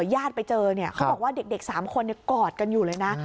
ญาติไปเจอเนี่ยเขาบอกว่าเด็ก๓คนกอดกันอยู่เลยนะ